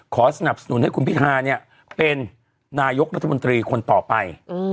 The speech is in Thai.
สนับสนุนให้คุณพิธาเนี่ยเป็นนายกรัฐมนตรีคนต่อไป